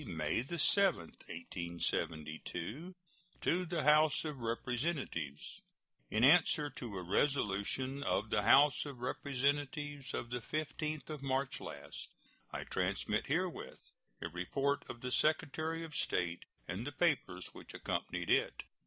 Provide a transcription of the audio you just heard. May 7, 1872. To the House of Representatives: In answer to a resolution of the House of Representatives of the 15th of March last, I transmit herewith a report of the Secretary of State and the papers which accompanied it.